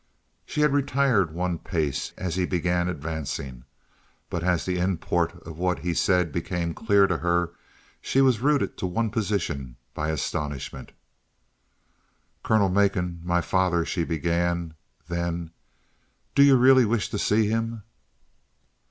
She had retired one pace as he began advancing, but as the import of what he said became clear to her she was rooted to one position by astonishment. "Colonel Macon my father " she began. Then: "Do you really wish to see him?"